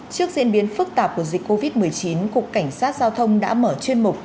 trước diễn biến phức tạp của dịch covid một mươi chín cục cảnh sát giao thông đã mở chuyên mục